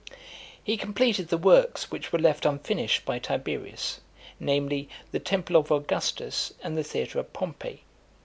XXI. He completed the works which were left unfinished by Tiberius, namely, the temple of Augustus, and the theatre (265) of Pompey .